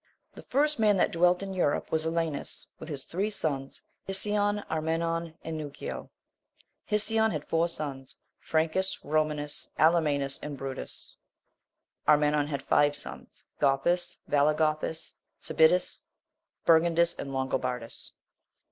The first man that dwelt in Europe was Alanus, with his three sons, Hisicion, Armenon, and Neugio. Hisicion had four sons, Francus, Romanus, Alamanus, and Brutus. Armenon had five sons, Gothus, Valagothus, Cibidus, Burgundus, and Longobardus.